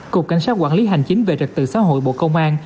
cục cảnh sát quản lý hành chính về trật tự xã hội bộ công an